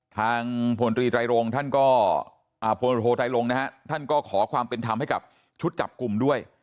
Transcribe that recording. ทางโพนตรีไทรโลงท่านก็ขอความเป็นธรรมให้กับชุดจับกลุ่มด้วย